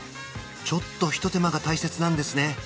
ちょっとひと手間が大切なんですね